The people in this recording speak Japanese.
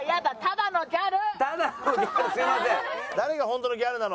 誰が本当のギャルなの？